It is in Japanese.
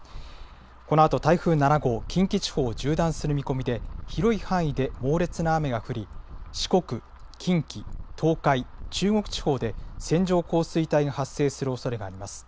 このあと台風７号、近畿地方を縦断する見込みで、広い範囲で猛烈な雨が降り、四国、近畿、東海、中国地方で、線状降水帯が発生するおそれがあります。